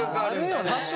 あるよね！